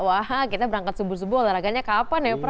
wah kita berangkat sebuah sebuah olahraganya kapan ya pra